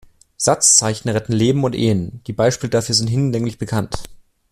Satzzeichen retten Leben und Ehen, die Beispiele dafür sind hinlänglich bekannt.